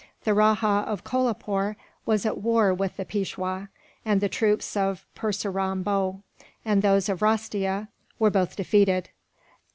The Rajah of Kolapoore was at war with the Peishwa; and the troops of Purseram Bhow, and those of Rastia, were both defeated.